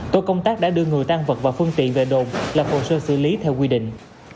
tổ công tác đã đưa người tăng vật và phương tiện về đồn là phổ sơ xử lý theo quy định